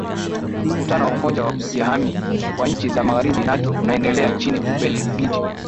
mkutano wa umoja wa kujihami wa nchi za magharibi nato unaendelea nchini ubelgiji